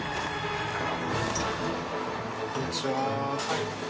こんにちは。